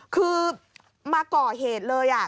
คือมาก่อเหตุเลย